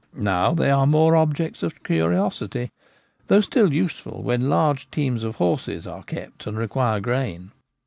Now they are more objects of curiosity, though still useful when large teams of horses are kept and require grain.